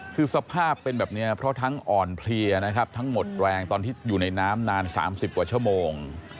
คือสภาพเป็นแบบนี้เพราะทั้งอ่อนเพลียนะครับทั้งหมดแรงตอนที่อยู่ในน้ำนาน๓๐กว่าชั่วโมง